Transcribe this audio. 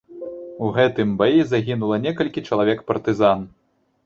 У гэтым баі загінула некалькі чалавек партызан.